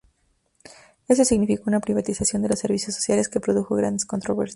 Esto significó una privatización de los servicios sociales, que produjo grandes controversias.